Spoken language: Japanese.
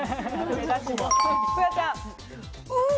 フワちゃん。